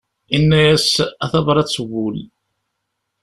Inna-as a tabrat n wul-iw.